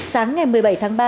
sáng ngày một mươi bảy tháng ba